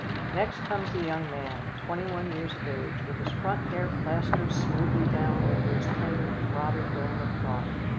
Next comes the young man, 21 years of age, with his front hair plastered smoothly down over his tender, throbbing dome of thought.